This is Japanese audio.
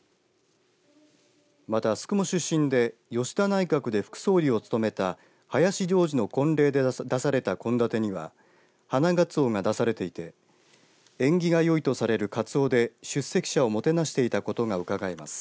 また、宿毛出身で吉田内閣で副総理を務めた林譲治の婚礼で出された献立には花松魚が出されていて縁起がよいとされる、かつおで出席者をもてなしていたことがうかがえます。